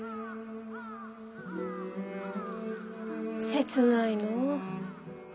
切ないのう。